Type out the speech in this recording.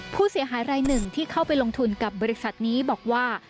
ผู้เสียหายรายหนึ่งที่เข้าไปลงทุนกับบริษัทนี้บอกว่า